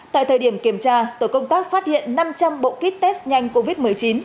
tại thời điểm kiểm tra tổ công tác phát hiện năm trăm linh bộ kit test nhanh covid một mươi chín